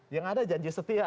yang ada janji setia